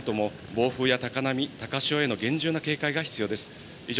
この後も暴風や高波、高潮への厳重な警戒が必要です。